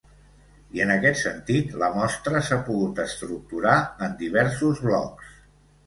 I en aquest sentit, la mostra s’ha pogut estructurar en diversos blocs.